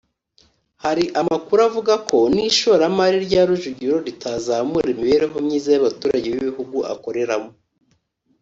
Hari amakuru avuga ko n’ishoramari rya Rujugiro ritazamura imibereho myiza y’abaturage b’ibihugu akoreramo